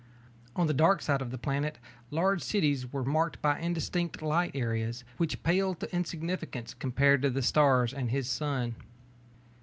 On the dark side of the planet large cities were marked by indistinct light areas which paled to insignificance compared to the stars and his sun.